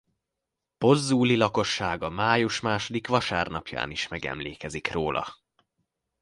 Pozzuoli lakossága május második vasárnapján is megemlékezik róla.